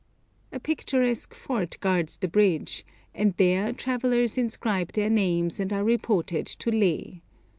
A picturesque fort guards the bridge, and there travellers inscribe their names and are reported to Leh.